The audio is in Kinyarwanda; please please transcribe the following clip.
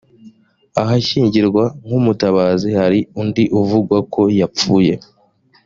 ahashyingirwa nk umutabazi hari undi uvugwa ko yapfuye